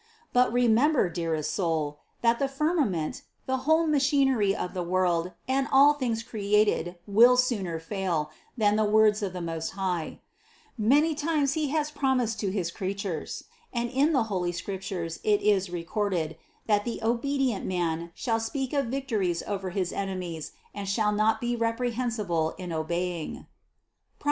But remember, dearest soul, that the firmament, the whole machinery of the world and all things created will sooner fail, than the words of the Most High Many times He has promised to his creatures, and in the holy Scriptures it is recorded, that the obedient man shall speak of victories over his enemies and shall not be repre hensible in obeying (Prov.